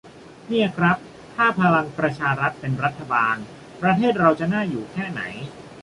"เนี่ยครับ ถ้าพลังประชารัฐเป็นรัฐบาล ประเทศเราจะน่าอยู่แค่ไหน"